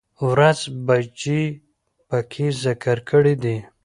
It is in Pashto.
،ورځ، بجې په کې ذکر کړى دي